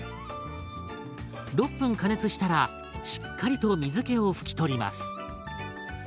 ６分加熱したらしっかりと水けを拭き取ります。